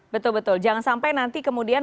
betul betul jangan sampai nanti kemudian